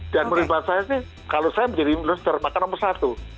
dan menurut saya sih kalau saya menjadi influencer maka nomor satu